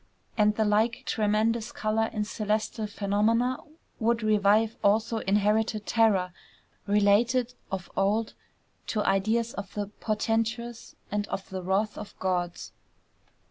And the like tremendous color in celestial phenomena would revive also inherited terror related of old to ideas of the portentous and of the wrath of gods.